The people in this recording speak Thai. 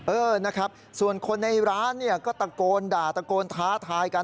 เออนะครับส่วนคนในร้านเนี่ยก็ตะโกนด่าตะโกนท้าทายกัน